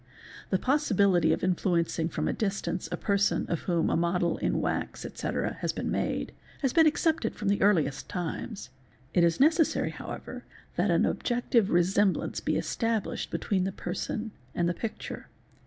The possibility of influencing from a distance a person of whom a model in wax, etc., has been made, has been accepted from the earliest times. It is necessary however that an objective resemblance be established between the person and the picture.